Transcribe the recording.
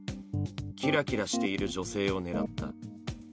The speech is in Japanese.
キラキラしている女性を狙った。